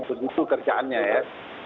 berutuh kerjaannya ya